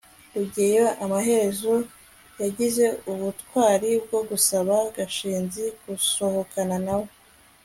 rugeyo amaherezo yagize ubutwari bwo gusaba gashinzi gusohokana nawe